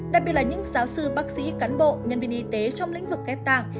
đặc biệt là những giáo sư bác sĩ cán bộ nhân viên y tế trong lĩnh vực ghép tạng